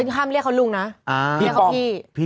ห้ามเรียกเขาลุงนะเรียกเขาพี่